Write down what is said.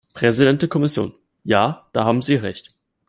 Präsident der Kommission. Ja, da haben Sie Recht.